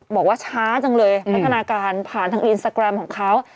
บอกว่าช้าจังเลยพัฒนาการผ่านทางอินสตาแกรมของเขา